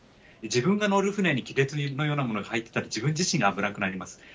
自分が乗る船に亀裂のようなものが入ったら、自分自身が危なくなります。